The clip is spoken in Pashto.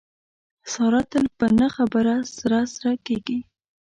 ساره تل په نه خبره سره سره کېږي.